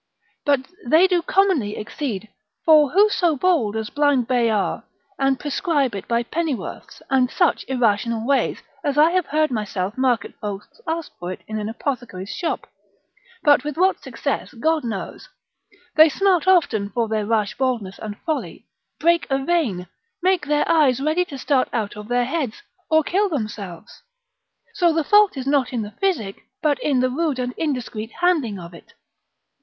But they do commonly exceed, for who so bold as blind Bayard, and prescribe it by pennyworths, and such irrational ways, as I have heard myself market folks ask for it in an apothecary's shop: but with what success God knows; they smart often for their rash boldness and folly, break a vein, make their eyes ready to start out of their heads, or kill themselves. So that the fault is not in the physic, but in the rude and indiscreet handling of it.